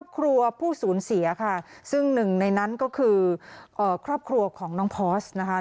ครอบครัวผู้สูญเสียค่ะซึ่งหนึ่งในนั้นก็คือครอบครัวของน้องพอร์สนะคะ